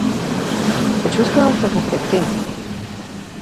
Се чувствувам како кретен.